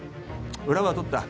裏は取った。